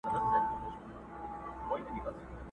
ما دي څڼي تاوولای؛